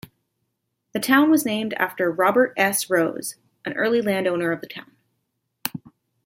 The town was named after Robert S. Rose, an early landowner of the town.